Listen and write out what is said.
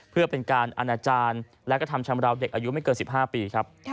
เพื่อเป็นการอนาจารย์และกระทำชำราวเด็กอายุไม่เกิน๑๕ปีครับ